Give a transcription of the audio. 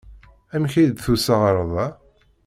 Amek ay d-tusa ɣer da?